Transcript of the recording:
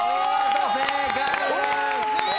正解です。